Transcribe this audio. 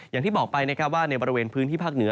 อย่างที่บอกไปนะครับว่าในบริเวณพื้นที่ภาคเหนือ